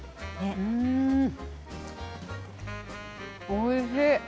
おいしい。